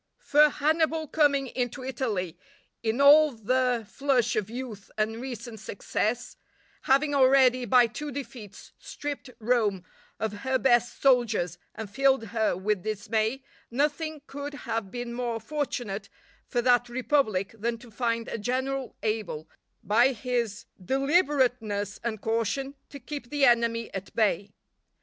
For Hannibal coming into Italy in all the flush of youth and recent success, having already by two defeats stripped Rome of her best soldiers and filled her with dismay, nothing could have been more fortunate for that republic than to find a general able, by his deliberateness and caution, to keep the enemy at bay.